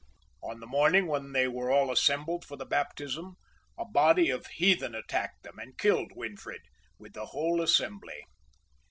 On the morning when they were all assembled for the baptism, a body of heathens attacked them, and killed Winfrid, with the whole assembly.